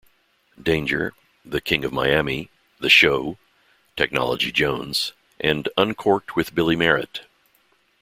Danger", "The King of Miami", "The Show", "Technology Jones", and "Uncorked with Billy Merritt".